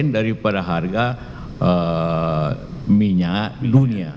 daripada harga minyak dunia